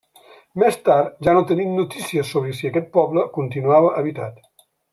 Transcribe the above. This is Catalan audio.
Més tard ja no tenim notícies sobre si aquest poble continuava habitat.